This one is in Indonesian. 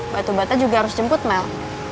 batu bata juga harus jemput mel